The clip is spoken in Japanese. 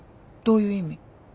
どういう意味？